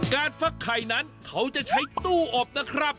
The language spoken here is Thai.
ฟักไข่นั้นเขาจะใช้ตู้อบนะครับ